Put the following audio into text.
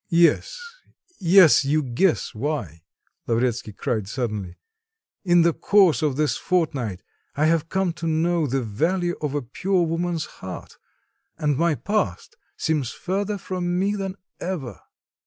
"Yes, yes, you guess why," Lavretsky cried suddenly, "in the course of this fortnight I have come to know the value of a pure woman's heart, and my past seems further from me than ever."